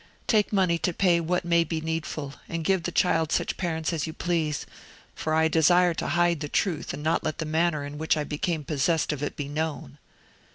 Take money to pay what may be needful, and give the child such parents as you please, for I desire to hide the truth, and not let the manner in which I became possessed of it be known."